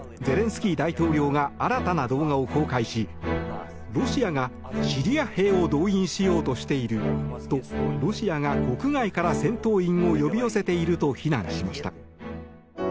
ゼレンスキー大統領が新たな動画を公開しロシアがシリア兵を動員しようとしているとロシアが国外から戦闘員を呼び寄せていると非難しました。